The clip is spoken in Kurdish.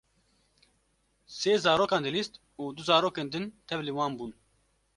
Sê zarokan dilîst û du zarokên din tevlî wan bûn.